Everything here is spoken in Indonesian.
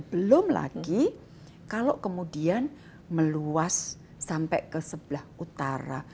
dan belum lagi kalau kemudian meluas sampai ke sebelah utara